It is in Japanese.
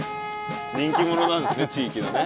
人気者なんですね地域のね。